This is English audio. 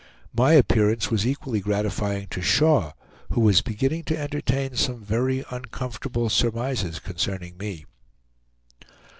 My appearance was equally gratifying to Shaw, who was beginning to entertain some very uncomfortable surmises concerning me.